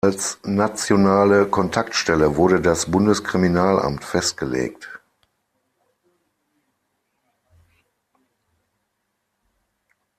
Als nationale Kontaktstelle wurde das Bundeskriminalamt festgelegt.